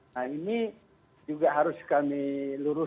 nah ini juga harus kami luruskan